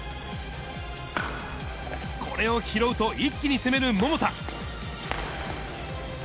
これを拾うと一気に攻める桃田。